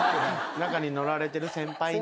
中に乗られている先輩に。